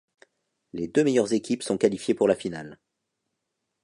Les deux meilleures équipes sont qualifiées pour la finale.